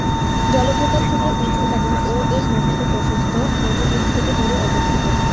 জলপ্রপাত থেকে উঁচু এবং ও -এর মধ্যে প্রশস্ত; নদী মুখ থেকে দূরে অবস্থিত।